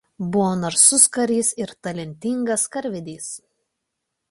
Buvo narsus karys ir talentingas karvedys.